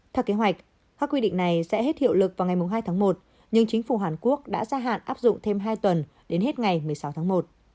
theo kế hoạch các quy định này sẽ hết hiệu lực vào ngày hai tháng một nhưng chính phủ hàn quốc đã gia hạn áp dụng thêm hai tuần đến hết ngày một mươi sáu tháng một